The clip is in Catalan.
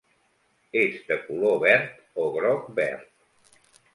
És de color verd o groc-verd.